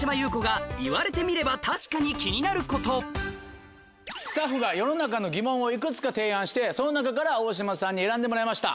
続いてはスタッフが世の中の疑問をいくつか提案してその中から大島さんに選んでもらいました。